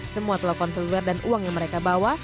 semua telepon seluler dan uang yang mereka bawa